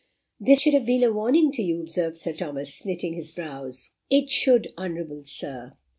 "This should have been a warning to you," observed Sir Thomas, knitting his brows. "It should, honourable Sir.